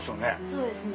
そうですね。